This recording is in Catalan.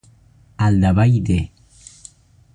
Al davall de.